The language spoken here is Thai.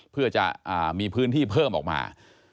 เพื่อจะมีพื้นที่เพิ่มออกมา